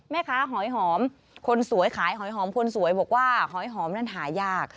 หอยหอมคนสวยขายหอยหอมคนสวยบอกว่าหอยหอมนั้นหายาก